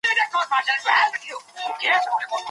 نندارتونونه جوړ کړئ.